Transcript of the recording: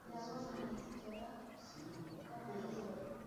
Nabonye iyi resitora kubwamahirwe.